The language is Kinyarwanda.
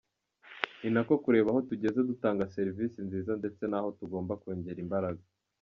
Ni no kureba aho tugeze dutanga serivisi nziza ndetse n’aho tugomba kongera imbaraga”.